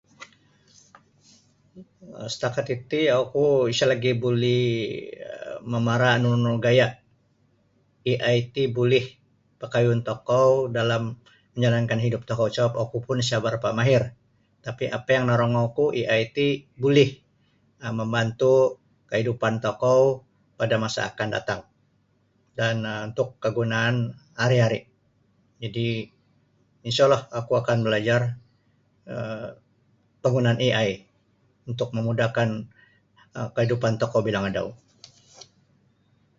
Setakat titi oku isa lagi buli um mamara nunu gaya AI ti buli pakayun tokou dalam hidup tokou menjalankan hidup tokoku sabab oku pun isa barapa mahir tapi apa yang narongou ku AI ti buli um membantu kehidupan tokou pada masa akan datang dan um untuk um kegunaan hari-hari jadi InshaAllah oku akan balaiar um penggunaan AI untuk memudahkan kehidupan tokou bilang adau.